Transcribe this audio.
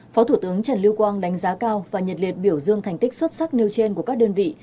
phó thủ tướng trần lưu quang đánh giá cao và nhiệt liệt biểu dương thành tích xuất sắc nêu trên của các đơn vị